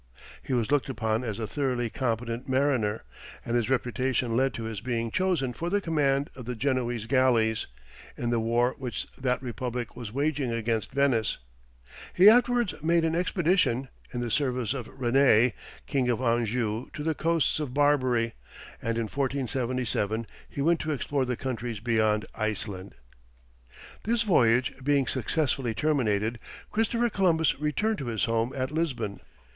He was looked upon as a thoroughly competent mariner, and his reputation led to his being chosen for the command of the Genoese galleys, in the war which that Republic was waging against Venice. He afterwards made an expedition, in the service of René, king of Anjou, to the coasts of Barbary, and in 1477, he went to explore the countries beyond Iceland. This voyage being successfully terminated, Christopher Columbus returned to his home at Lisbon.